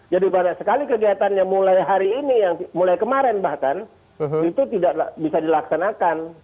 jadi banyak sekali kegiatannya mulai hari ini mulai kemarin bahkan itu tidak bisa dilaksanakan